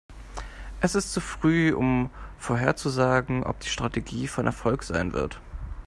Es ist zu früh, um vorherzusagen, ob die Strategie von Erfolg sein wird.